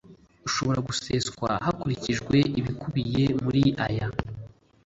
Ushobora guseswa hakurikijwe ibikubiye muri aya